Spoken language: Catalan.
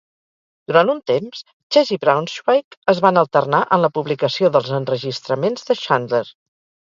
Durant un temps, Chess i Braunschweig es van alternar en la publicació dels enregistraments de Chandler.